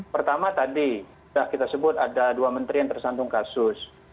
pertama tadi sudah kita sebut ada dua menteri yang tersandung kasus